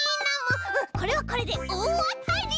うんこれはこれでおおあたり！